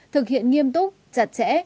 thực hiện nghiêm túc chặt chẽ